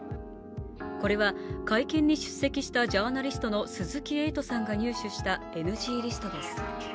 これは、会見に出席したジャーナリストの鈴木エイトさんが入手したＮＧリストです。